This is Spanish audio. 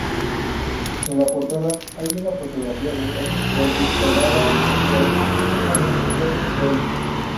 En la portada hay una fotografía de Elvis Presley tomada por James R. Reid.